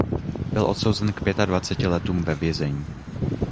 Byl odsouzen k pětadvaceti letům ve vězení.